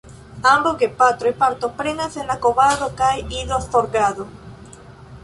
Ambaŭ gepatroj partoprenas en la kovado kaj idozorgado.